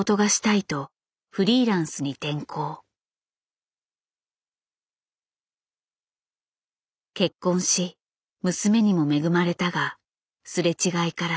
結婚し娘にも恵まれたがすれ違いからすぐに離婚。